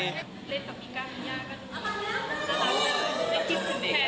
ผมเหรอ